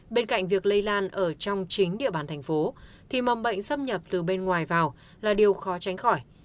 bên cạnh việc lây lan ở trong chính địa bàn thành phố thì mầm bệnh xâm nhập từ bên ngoài vào là điều khó tránh khỏi